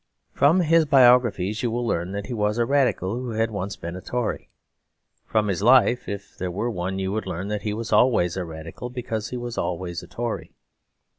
From his biographies you will learn that he was a Radical who had once been a Tory. From his life, if there were one, you would learn that he was always a Radical because he was always a Tory.